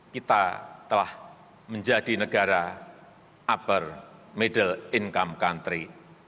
kita telah menjadi negara upper middle income country